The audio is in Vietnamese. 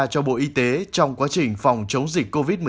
cho bộ y tế trong quá trình phòng chống dịch covid một mươi chín